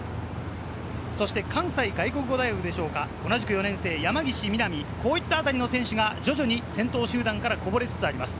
そして関西外国語大学でしょうか、同じく４年生・山岸みなみ、こういったあたりの選手が徐々に先頭集団からこぼれつつあります。